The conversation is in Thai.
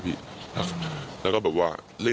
ก็พี่ปลูมโทรมาพี่